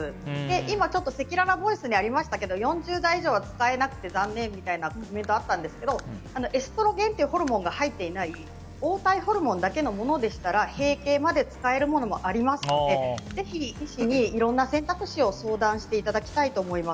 今せきららボイスにありましたが４０代以上は使えなくて残念みたいなコメントがあったんですけどエストロゲンというホルモンが入っていない黄体ホルモンだけのものでしたら閉経まで使えるものまでありますのでぜひ医師にいろんな選択肢を相談してもらいたいと思います。